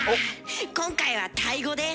今回はタイ語です。